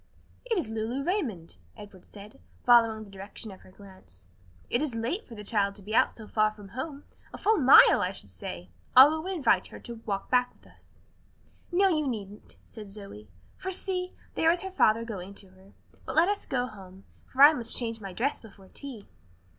"It is Lulu Raymond," Edward said, following the direction of her glance. "It is late for the child to be out so far from home; a full mile I should say. I'll go and invite her to walk back with us." "No, you needn't," said Zoe, "for see, there is her father going to her. But let us go home, for I must change my dress before tea."